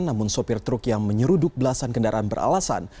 namun sopir truk yang menyeruduk belasan kendaraan beralasan